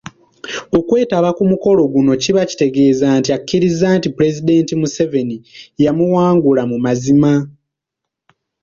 Okwetaba ku mukolo guno kiba kitegeeza nti akkiriza nti Pulezidenti Museveni yamuwangula mu mazima.